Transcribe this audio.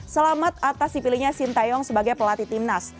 selamat atas dipilihnya shin taeyong sebagai pelatih timnas